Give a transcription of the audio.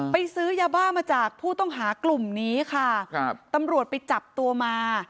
ซื้อยาบ้ามาจากผู้ต้องหากลุ่มนี้ค่ะครับตำรวจไปจับตัวมา